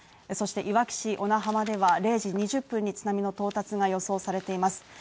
そしていわき市小名浜では０時２０分に津波の到達が予想されています